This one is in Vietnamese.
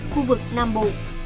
khu vực nam bộ